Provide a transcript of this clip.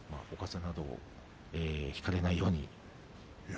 おかぜなどをひかれないように。